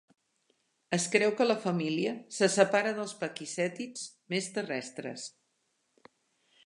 Es creu que la família se separa dels pakicètids més terrestres.